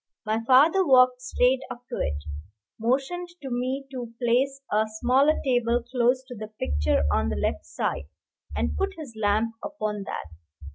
My father walked straight up to it, motioned to me to place a smaller table close to the picture on the left side, and put his lamp upon that.